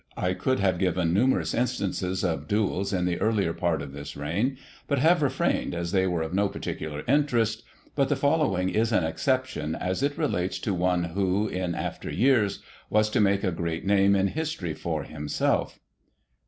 I could have given numerous instances of duels in the earlier part of this reign, but have refrained, as they were of no particular interest ; but the following is an exception, as it relates to one who, in after years, was to make a great name in history for himself.